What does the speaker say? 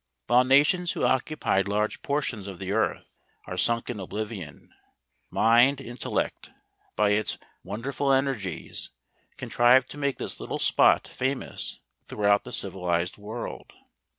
While nations who occupied large portions of the earth are sunk in oblivion; mind, intellect, by its won¬ derful energies, contrived to make this little spot famous throughout the civilized world.